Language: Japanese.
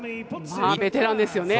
ベテランですよね。